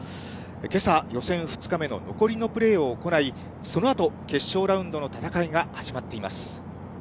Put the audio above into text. けさ、予選２日目の残りのプレーを行い、そのあと決勝ラウンドの戦いが始まっています。